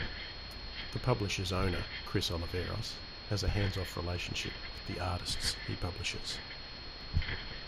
The publisher's owner, Chris Oliveros, has a hands-off relationship with the artists he publishes.